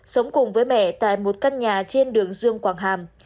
sống cùng với mẹ tại một căn nhà trên đường dương quảng hàm